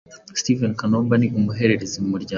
Steven Kanumba ni umuhererezi mu muryango